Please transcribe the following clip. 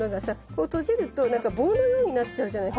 こう閉じるとなんか棒のようになっちゃうじゃない。